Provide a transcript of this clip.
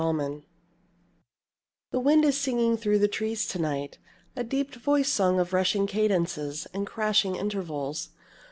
At Night The wind is singing through the trees to night, A deep voiced song of rushing cadences And crashing intervals.